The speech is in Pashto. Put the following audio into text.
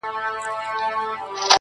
هندي لبانو دې سور اور د دوزخ ماته راوړ_